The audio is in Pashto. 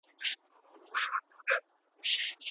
خوشبختي د احساساتو له لارې احساسېږي.